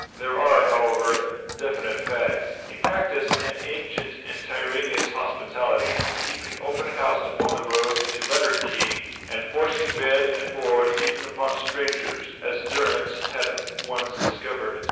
There are, however, definite facts. He practised an ancient and tyrannous hospitality, keeping open house upon the road to Letterkenny, and forcing bed and board even upon strangers, as Durrance had once discovered.